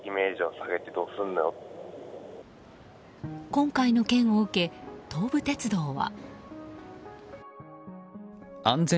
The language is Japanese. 今回の件を受け、東武鉄道は。